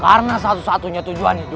karena satu satunya tujuan hidupku